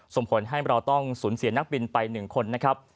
ส่งผลให้เราต้องสูญเสียนักบินไป๑คนนะครับ